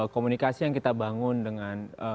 komunikasi yang kita bangun dengan